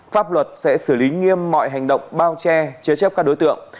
pháp luật sẽ xử lý nghiêm mọi hành động bao che chế chấp các đối tượng